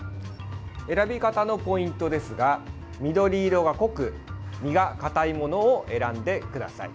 選び方のポイントですが緑色が濃く身がかたいものを選んでください。